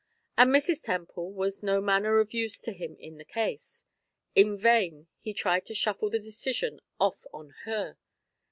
And Mrs. Temple was no manner of use to him in the case. In vain he tried to shuffle the decision off on her.